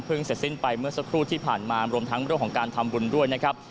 เสร็จสิ้นไปเมื่อสักครู่ที่ผ่านมารวมทั้งเรื่องของการทำบุญด้วยนะครับ